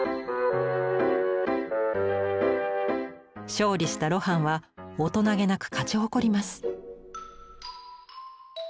勝利した露伴は大人げなく勝ち誇ります